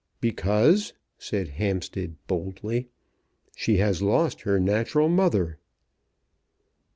"Because," said Hampstead boldly, "she has lost her natural mother."